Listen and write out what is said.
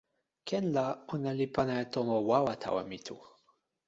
ken la, ona li pana e tomo wawa tawa mi tu.